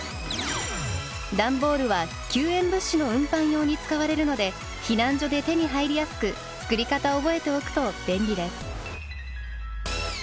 段ボールは救援物資の運搬用に使われるので避難所で手に入りやすく作り方を覚えておくと便利です。